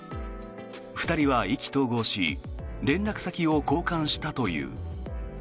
２人は意気投合し連絡先を交換したという。